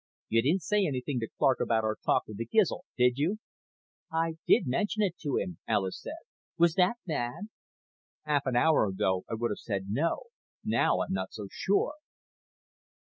"You didn't say anything to Clark about our talk with the Gizl, did you?" "I did mention it to him," Alis said. "Was that bad?" "Half an hour ago I would have said no. Now I'm not so sure."